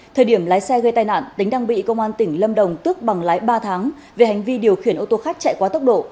thời điểm lái xe gây tai nạn tính đang bị công an tỉnh lâm đồng tước bằng lái ba tháng về hành vi điều khiển ô tô khách chạy quá tốc độ